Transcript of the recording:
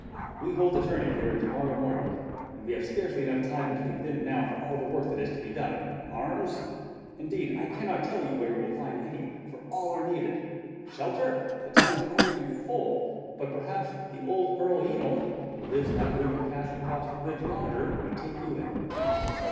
We hold a tourney here to morrow morning, and we have scarcely time enough between then and now for all the work there is to be done. Arms? Indeed I cannot tell you where you will find any, for all are needed. Shelter? The town is already full, but perhaps the old Earl Yniol who lives in that ruined castle across the bridge yonder would take you in."